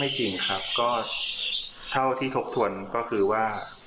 จริงครับก็เท่าที่ทบทวนก็คือว่า